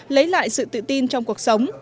lấy lại sự tự tin trong cuộc sống